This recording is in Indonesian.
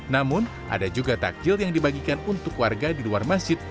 namun ada juga takjil yang dibagikan untuk warga di luar masjid